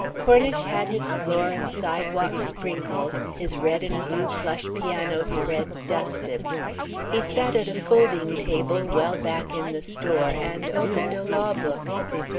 Cornish had his floor and sidewalk sprinkled, his red and blue plush piano spreads dusted. He sat at a folding table well back in the store, and opened a law book.